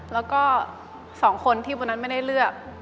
แล้วก็๒คนที่วันนั้นไม่ได้เลือก